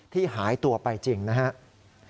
หายตัวไปจริงนะครับ